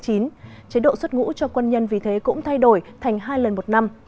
chế độ xuất ngũ cho quân nhân vì thế cũng thay đổi thành hai lần một năm